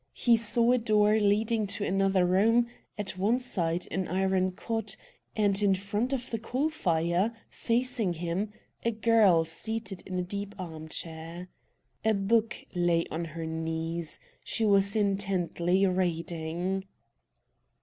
He saw a door leading to another room, at one side an iron cot, and in front of the coal fire, facing him, a girl seated in a deep arm chair. A book lay on her knees, and she was intently reading.